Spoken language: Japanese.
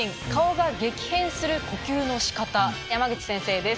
山口先生です。